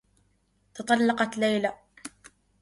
تطلّقت ليلى.